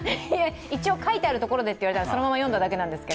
一応、書いてあるところでというのでそのまま読んだだけなんですけど。